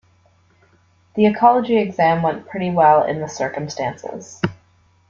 The ecology exam went pretty well in the circumstances.